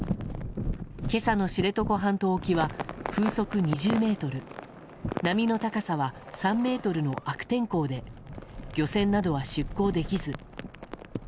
今朝の知床半島沖は風速２０メートル波の高さは３ｍの悪天候で漁船などは出航できず。